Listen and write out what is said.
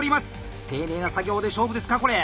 丁寧な作業で勝負ですかこれ！